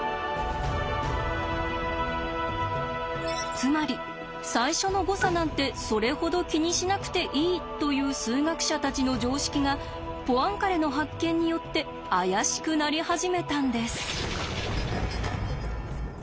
つまり最初の誤差なんてそれほど気にしなくていいという数学者たちの常識がポアンカレの発見によって怪しくなり始めたんです。